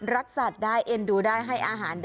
รักสัตว์ได้เอ็นดูได้ให้อาหารได้